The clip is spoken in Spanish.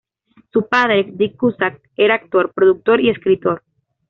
Su padre, Dick Cusack, era actor, productor y escritor.